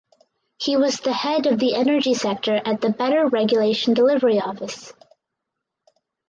He was the Head of the Energy Sector at the Better Regulation Delivery Office.